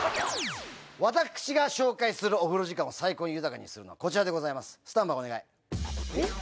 私が紹介するお風呂時間を最高に豊かにするのはこちらでございます。